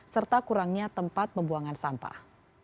serta kurangnya tempat pembuangan sampah